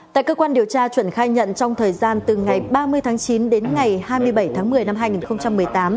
tại cơ quan điều tra chuẩn khai nhận trong thời gian từ ngày ba mươi tháng chín đến ngày hai mươi bảy tháng một mươi năm hai nghìn một mươi tám